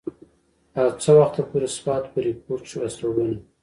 او څه وخته پورې سوات بريکوت کښې استوګن وو